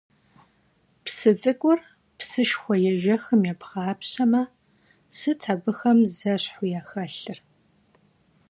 Psı ts'ık'ur psışşxue yêjjexım vuêğapşeme, sıt abıxem zeşhu yaxelhır?